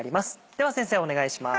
では先生お願いします。